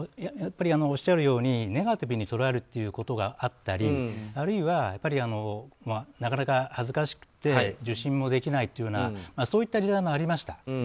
ネガティブに捉えるということがあったり、あるいはなかなか恥ずかしくて受診もできないというようなそういった時代もありました。